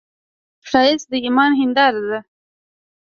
ښایست د ایمان هنداره ده